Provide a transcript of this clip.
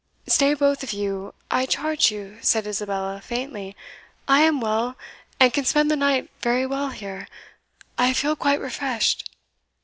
"Stay both of you, I charge you," said Isabella, faintly; "I am well, and can spend the night very well here I feel quite refreshed."